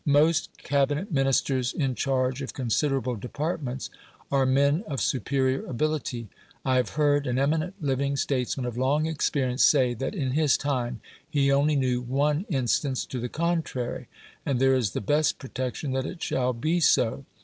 Most Cabinet Ministers in charge of considerable departments are men of superior ability; I have heard an eminent living statesman of long experience say that in his time he only knew one instance to the contrary. And there is the best protection that it shall be so.